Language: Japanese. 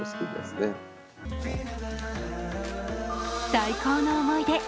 最高の思い出。